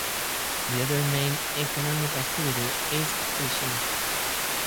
The other main economic activity is fishing.